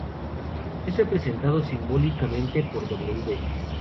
Es representado simbólicamente por Wb.